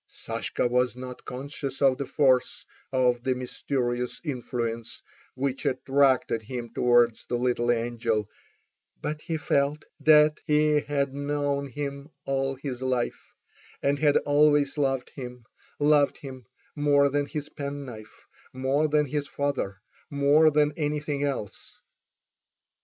Sashka was not conscious of the force of the mysterious influence which attracted him towards the little angel, but he felt that he had known him all his life, and had always loved him, loved him more than his penknife, more than his father, more than anything else.